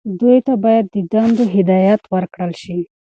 دوی ته باید د دندو هدایت ورکړل شي.